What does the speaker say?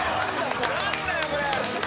・何だよこれ。